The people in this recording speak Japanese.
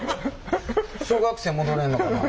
小学生戻れんのかな。